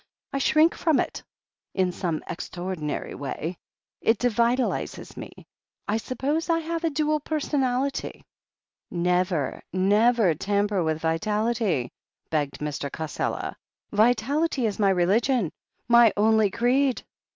I shrink from it, in some extraordinary way. It de vitalizes me. I suppose I have a dual personality." "Never, never tamper with vitality," begged Mr. Cassela. "Vitality is my religion — ^my only creed."